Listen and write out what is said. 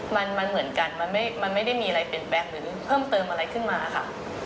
มันเหมือนกันมันไม่ได้มีอะไรเปลี่ยนแปลงหรือเพิ่มเติมอะไรขึ้นมาค่ะ